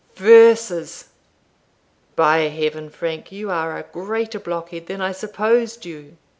verses! By Heaven, Frank, you are a greater blockhead than I supposed you!"